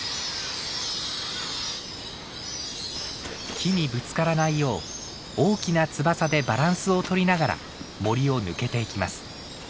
木にぶつからないよう大きな翼でバランスを取りながら森を抜けていきます。